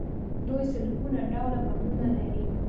دوی سلګونه ډوله بمونه لري.